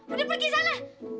udah pergi sana